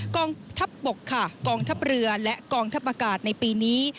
กองทัพบกค่ะกองทัพเรือและกองทัพอากาศในปีนี้